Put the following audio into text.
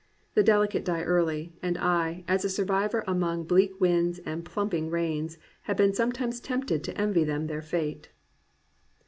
The delicate die early, and I, as a survivor among bleak winds and plumping rains, have been sometimes tempted to envy them their fate."